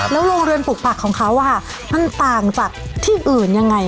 โรงเรือนปลูกผักของเขามันต่างจากที่อื่นยังไง